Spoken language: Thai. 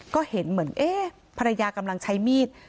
ก็เห็นเหมือนเอ๊ะภรรยากำลังใช้มีด